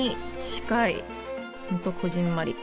ほんとこぢんまり。